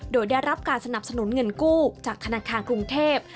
โดยได้รับการสนับสนุนเงินกู้จากธนาคารกรุงเทพ